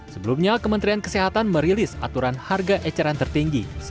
sebelumnya kementerian kesehatan merilis aturan harga eceran tertinggi